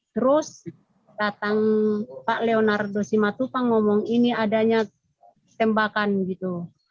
terus datang pak leonardo simatupang ngomong ini adanya tembakan gitu